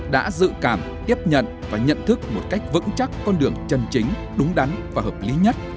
đã dự cảm tiếp nhận và nhận thức một cách vững chắc con đường chân chính đúng đắn và hợp lý nhất